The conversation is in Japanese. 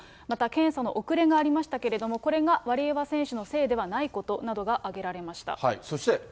また検査の遅れがありましたけれども、これがワリエワ選手のせいではないことなどが挙げられました。